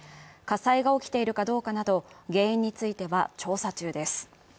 火災が起きているかどうかなど原因については調査中です。